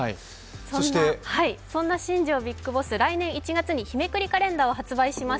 そんな新庄ビッグボス、来年１月に日めくりカレンダーを発売します。